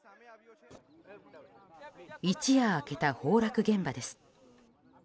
一夜明けた崩落現場です。